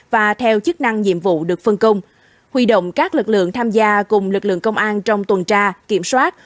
nêu chức năng nhiệm vụ được phân cung huy động các lực lượng tham gia cùng lực lượng công an trong tuần tra kiểm soát